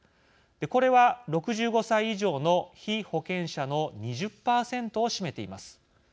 これは６５歳以上の被保険者の２０％を占めています。